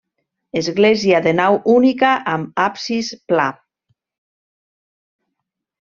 Església de nau única amb absis pla.